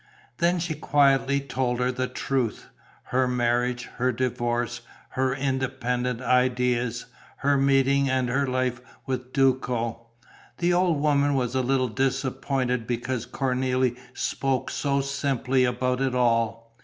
Then she quietly told her the truth: her marriage, her divorce, her independent ideas, her meeting and her life with Duco. The old woman was a little disappointed because Cornélie spoke so simply about it all.